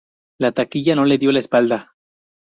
La taquilla no le dio la espalda.